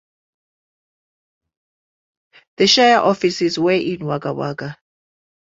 The shire offices were in Wagga Wagga.